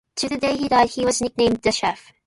To the day he died, he was nicknamed the Chief.